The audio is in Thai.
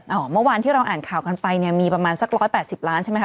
เอ่อเมื่อวานที่เราอ่านข่าวกันไปเนี่ยมีประมาณสัก๑๘๐ล้านใช่มั้ยคะ